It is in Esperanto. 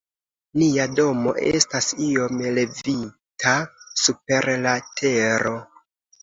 Nia domo estas iom levita super la tero.